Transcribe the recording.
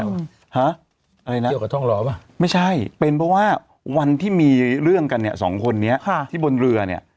อะไรนะไม่ใช่เป็นเพราะว่าวันที่มีเรื่องกันเนี่ยสองคนนี้ที่บนเรือเนี่ย